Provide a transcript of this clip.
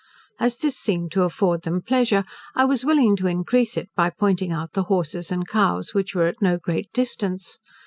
As this seemed to afford them pleasure, I was willing to increase it by pointing out the horses and cows, which were at no great distance.